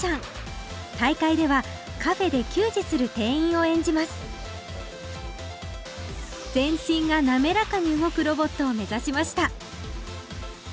大会ではカフェで給仕する店員を演じます全身が滑らかに動くロボットを目指しました